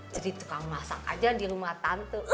jadi tukang masak aja di rumah tante